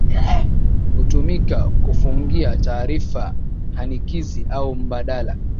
Hutumika kufungia taarifa hanikizi au mbadala